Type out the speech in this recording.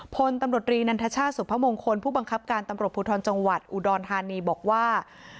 พลตำรวจรีนันทชาติสุพมงคลผู้บังคับการตำรวจภูทรจังหวัดอุดรธานีบอกว่า